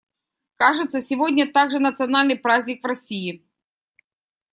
Кажется, сегодня также национальный праздник в России.